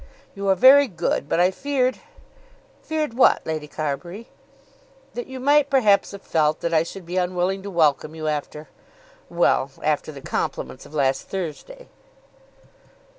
"You are very good. But I feared, " "Feared what, Lady Carbury?" "That you might perhaps have felt that I should be unwilling to welcome you after, well, after the compliments of last Thursday."